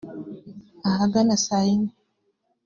ahagana saa yine